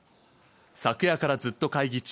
昨夜からずっと会議中。